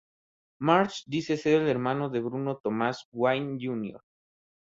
March dice ser el hermano de Bruno Thomas Wayne Jr.